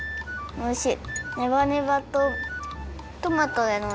おいしい。